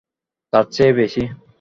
তার চেয়ে বেশি।